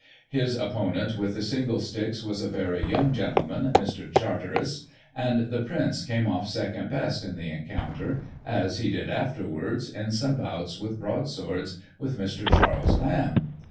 His opponent with the singlesticks was a very young gentleman, Mr. Charteris, and the Prince came off second best in the encounter, as he did, afterwards, in some bouts with broad swords with Mr. Charles Lamb.